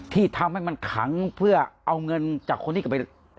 ที่ทำให้มันขังเพื่อเอาเงินจากคนที่กลับไป